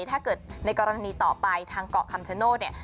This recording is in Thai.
ถ้าเกิดในกรณีต่อไปทางเกาะคำชโนธเนี่ย